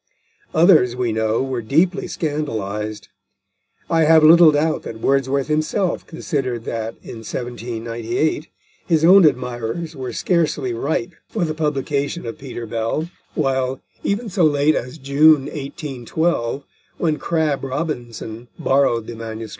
Others, we know, were deeply scandalised. I have little doubt that Wordsworth himself considered that, in 1798, his own admirers were scarcely ripe for the publication of Peter Bell, while, even so late as June 1812, when Crabb Robinson borrowed the MS.